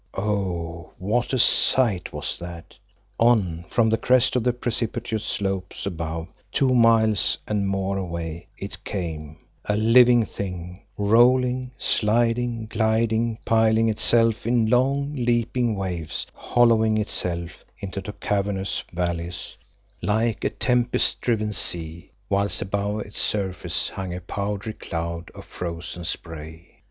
Oh! what a sight was that. On from the crest of the precipitous slopes above, two miles and more away, it came, a living thing, rolling, sliding, gliding; piling itself in long, leaping waves, hollowing itself into cavernous valleys, like a tempest driven sea, whilst above its surface hung a powdery cloud of frozen spray.